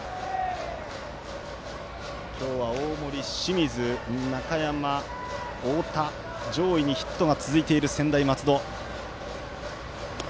今日は大森、清水、中山太田、上位にヒットが続いている専大松戸。